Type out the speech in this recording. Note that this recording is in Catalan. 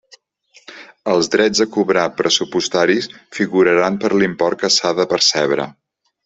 Els drets a cobrar pressupostaris figuraran per l'import que s'ha de percebre.